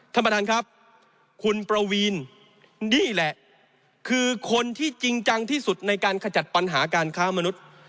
ท่านประธานครับคุณประวีนนี่แหละคือคนที่จริงจังที่สุดในการขจัดปัญหาการค้ามนุษย์